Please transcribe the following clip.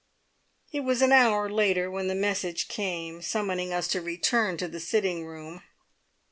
It was an hour later when the message came summoning us to return to the sitting room.